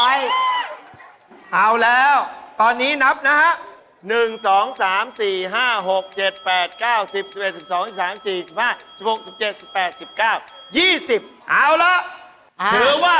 เป่าลูกหวีนนะเตรียมตัว